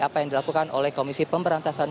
apa yang dilakukan oleh komisi pemberantasan